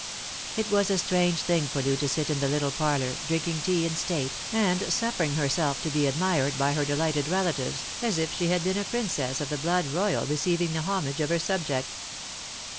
It was a strange thing for Loo to sit in the little parlour, drinking tea in state, and suffering herself to be admired by her delighted relatives, as if she had been a princess of the blood royal receiving the homage of her subjects.